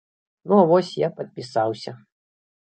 Ну а вось я падпісаўся.